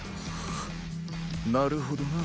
なるほどな。